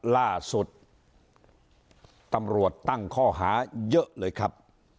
ล่าสุดตำรวจตั้งข้อหาเยอะเลยครับ